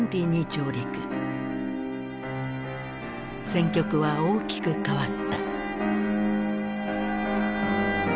戦局は大きく変わった。